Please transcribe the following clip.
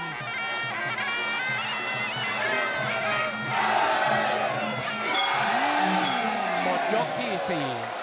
หมดยกที่๔